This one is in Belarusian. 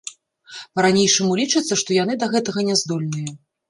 Па-ранейшаму лічыцца, што яны да гэтага няздольныя.